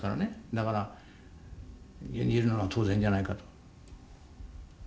だから殉じるのは当然じゃないかと。